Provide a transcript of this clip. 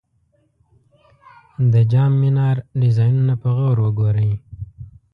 د جام منار ډیزاینونه په غور وګورئ.